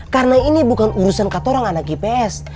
karena ini bukan urusan katorang anak ips